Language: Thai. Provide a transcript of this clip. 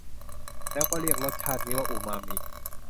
แล้วก็เรียกรสชาตินี้ว่าอูมามิ